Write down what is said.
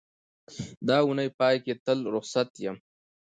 د اونۍ پای کې تل روخصت یم